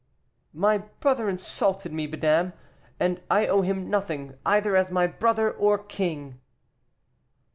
"My brother insulted me, madame, and I owe him nothing, either as my brother or king."